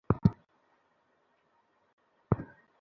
জোয়ার-ভাটার পানি চলাচল বন্ধ হওয়ায় জমিতে নোনা পড়ে ফসলের ক্ষতি হচ্ছে।